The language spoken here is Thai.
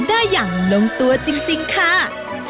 ได้อย่างลงตัวจริงค่ะ